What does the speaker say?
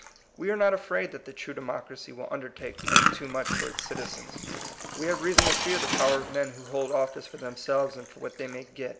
We are not afraid that the true democ racy will undertake to do too much for its citizens. We have reason to fear the power of men who hold office for them selves and for what they may get.